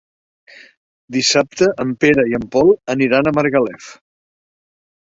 Dissabte en Pere i en Pol aniran a Margalef.